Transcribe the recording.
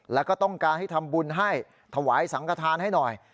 แล้วก็ต้องการให้ทำบุญให้ถวายสังขทานให้หน่อย